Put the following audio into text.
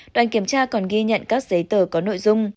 đoàn kiểm tra còn ghi nhận các giấy tờ có nội dung